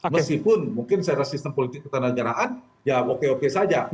meskipun mungkin saya rasa sistem politik ketandagaraan ya oke oke saja